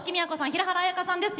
平原綾香さんです。